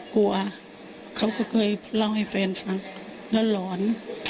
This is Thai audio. กลัวเขาก็เคยเล่าให้แฟนฟังแล้วหลอน